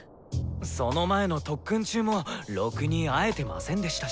その前の特訓中もろくに会えてませんでしたし。